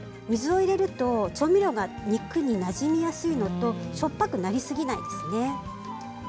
入れると調味料が肉になじみやすいのとしょっぱくなりすぎないですね。